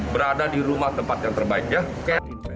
berada di rumah tempat yang terbaik